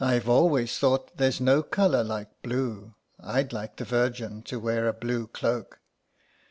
''" I've always thought there's no colour like blue. I'd hke the Virgin to wear a blue cloak."